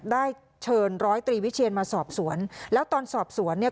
ได้เชิญร้อยตรีวิเชียนมาสอบสวนแล้วตอนสอบสวนเนี่ย